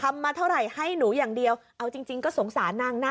มาเท่าไหร่ให้หนูอย่างเดียวเอาจริงจริงก็สงสารนางนะ